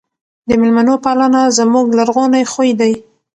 د مېلمنو پالنه زموږ لرغونی خوی دی.